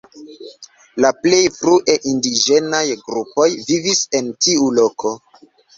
La plej frue indiĝenaj grupoj vivis en tiu loko.